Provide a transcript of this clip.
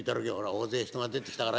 大勢人が出てきたからよ。